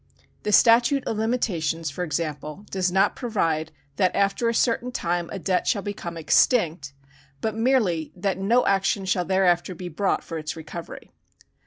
The statute of limitations, for example, does not provide that after a certain time a debt shall become extinct, but merely that no action shall thereafter be brought for its recovery.